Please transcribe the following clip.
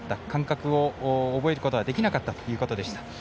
感覚を覚えることができなかったということでした。